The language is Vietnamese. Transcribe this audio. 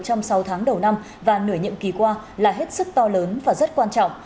trong sáu tháng đầu năm và nửa nhiệm kỳ qua là hết sức to lớn và rất quan trọng